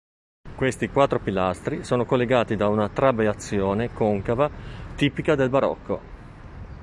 Questi quattro pilastri sono collegati da una trabeazione concava tipica del Barocco.